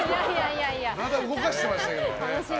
体動かしてましたけどね。